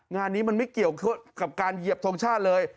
งานนี้มันไม่เกี่ยวกับการเหยียบทรงชาติเลย